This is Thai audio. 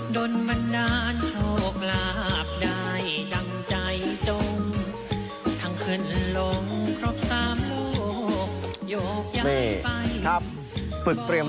โดนบันดาลโชคลาภได้ดังใจจมทั้งขึ้นลงครบสามโลกโยกย้ายไป